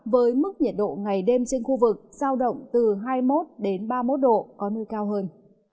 với mức nhiệt độ ngày đêm trên khu vực sao động từ hai mươi một ba mươi một độ có nơi cao hơn